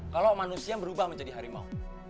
kalau manusia berubah menjadi harimau